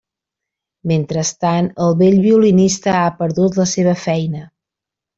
Mentrestant, el vell violinista ha perdut la seva feina.